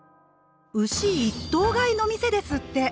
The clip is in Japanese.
「牛一頭買いの店」ですって。